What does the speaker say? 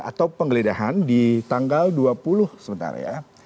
atau penggeledahan di tanggal dua puluh sebentar ya